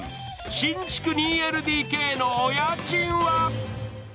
新築２ＬＤＫのお家賃は？